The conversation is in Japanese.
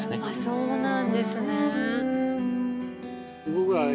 そうなんですね。